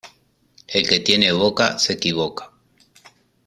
El que tiene boca se equivoca.